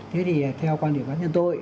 thế thì theo quan điểm quan nhân tôi